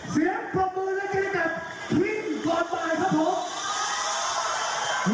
เสียงปรับมือเรื่องนี้กับทิ้งก่อนบ่ายครับผม